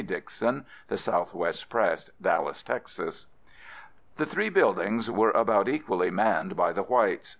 Dixon, The Southwest Press, Dallas, Texas.) The three buildings were about equally manned by the whites.